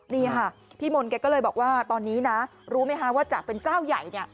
นี่ค่ะพี่มนต์แกก็เลยบอกว่าตอนนี้นะรู้ไหมคะว่าจากเป็นเจ้าใหญ่เนี่ย